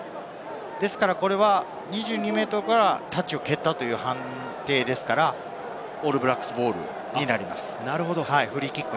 ですからこれは２２ｍからタッチを蹴ったという判定ですから、オールブラックスボールになります。